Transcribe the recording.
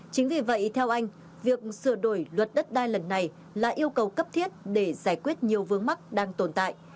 chính vì vậy theo anh việc sửa đổi luật đất đai lần này là yêu cầu cấp thiết để giải quyết nhiều vướng mắc đang tồn tại